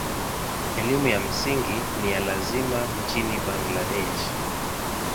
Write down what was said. Elimu ya msingi ni ya lazima nchini Bangladesh.